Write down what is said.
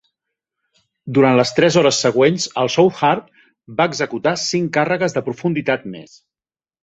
Durant les tres hores següents, el Southard va executar cinc càrregues de profunditat més.